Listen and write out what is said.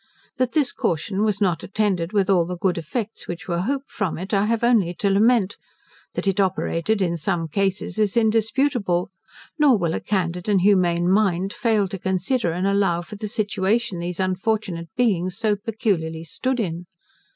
That this caution was not attended with all the good effects which were hoped from it, I have only to lament; that it operated in some cases is indisputable; nor will a candid and humane mind fail to consider and allow for the situation these unfortunate beings so peculiarly stood in.